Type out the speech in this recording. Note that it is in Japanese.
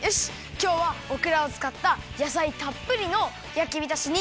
きょうはオクラをつかったやさいたっぷりのやきびたしにきまり！